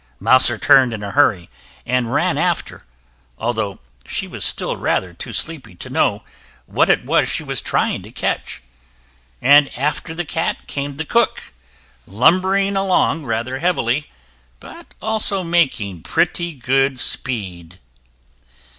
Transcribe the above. Mouser turned in a hurry and ran after, although she was still rather too sleepy to know what it was she was trying to catch, and after the cat came the cook, lumbering along rather heavily, but also making pretty good speed.